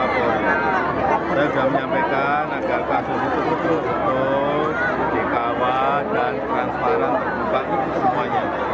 saya sudah menyampaikan agar kasus itu tutup tutup tutup dikawal dan transparan terbuka semuanya